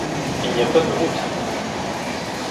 Il n’y a pas deux routes !